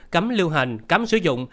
cấm lưu hành cấm sử dụng